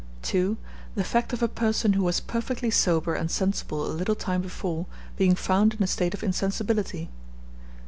2. The fact of a person who was perfectly sober and sensible a little time before, being found in a state of insensibility.